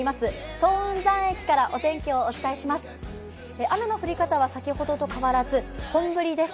早雲山駅からお天気をお伝えします。